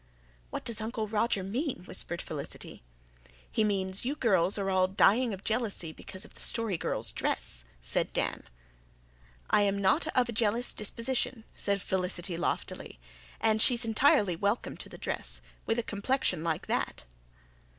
"What does Uncle Roger mean?" whispered Felicity. "He means you girls are all dying of jealousy because of the Story Girl's dress," said Dan. "I am not of a jealous disposition," said Felicity loftily, "and she's entirely welcome to the dress with a complexion like that."